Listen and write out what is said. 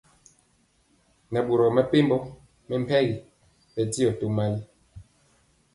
Nɛ boro mepempɔ mɛmpegi bɛndiɔ tomali.